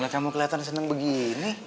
gak kamu keliatan seneng begini